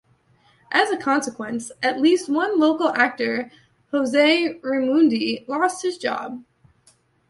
As a consequence, at least one local actor, Jose Reymundi, lost his job.